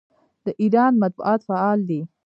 د ایران مطبوعات فعال دي.